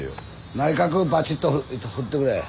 内角バチッと振ってくれ。